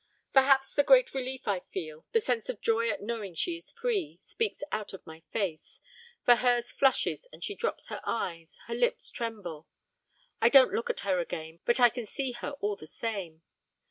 Perhaps the great relief I feel, the sense of joy at knowing she is free, speaks out of my face, for hers flushes and she drops her eyes, her lips tremble. I don't look at her again, but I can see her all the same.